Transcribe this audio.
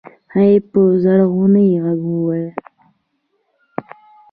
هغې په ژړغوني غږ وويل.